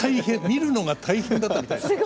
見るのが大変だったみたいですよ。